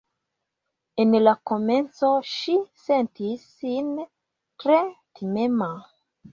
En la komenco ŝi sentis sin tre timema